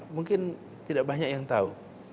mungkin tidak banyak yang tahu